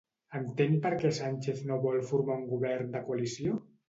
Entén per què Sánchez no vol formar un govern de coalició?